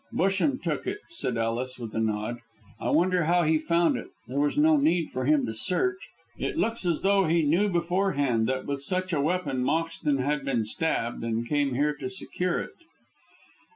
"Busham took it," said Ellis, with a nod. "I wonder how he found it. There was no need for him to search. It looks as though he knew beforehand that with such a weapon Moxton had been stabbed, and came here to secure it."